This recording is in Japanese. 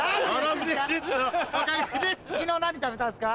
昨日何食べたんすか？